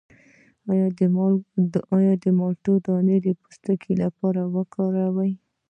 د مالټې دانه د پوستکي لپاره وکاروئ